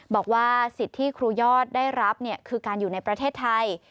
บอกว่าสิทธิ์ที่ครูยอดได้รับคือการอยู่ในประเทศไทย